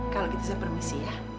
kalau gitu saya permisi ya